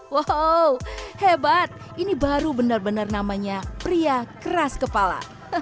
wow hebat ini baru benar benar namanya pria keras kepala